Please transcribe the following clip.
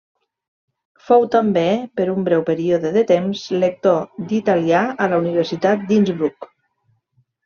Fou també, per un breu període de temps, lector d'italià a la Universitat d'Innsbruck.